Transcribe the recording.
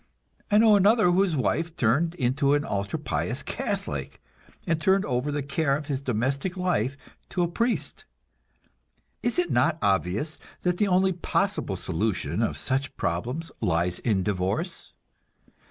I know another whose wife turned into an ultra pious Catholic, and turned over the care of his domestic life to a priest. Is it not obvious that the only possible solution of such problems lies in divorce?